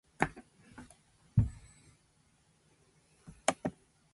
おはよう世の中夢を連れて繰り返した夢には生活のメロディ